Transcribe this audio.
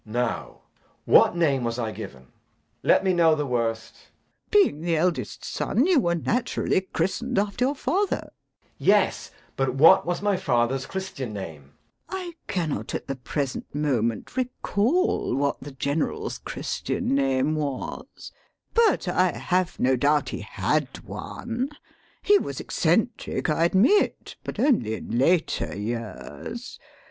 Now, what name was I given? Let me know the worst. LADY BRACKNELL. Being the eldest son you were naturally christened after your father. JACK. [Irritably.] Yes, but what was my father's Christian name? LADY BRACKNELL. [Meditatively.] I cannot at the present moment recall what the General's Christian name was. But I have no doubt he had one. He was eccentric, I admit. But only in later years.